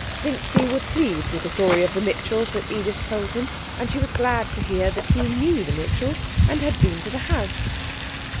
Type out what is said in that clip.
Vincy was pleased with the story of the Mitchells that Edith told him, and she was glad to hear that he knew the Mitchells and had been to the house.